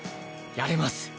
やれます。